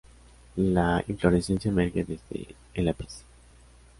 La inflorescencia emerge desde el ápice.